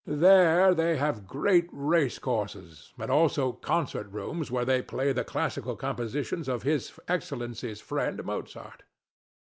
There they have great racecourses, and also concert rooms where they play the classical compositions of his Excellency's friend Mozart.